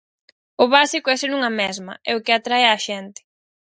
O básico é ser unha mesma, é o que atrae a xente.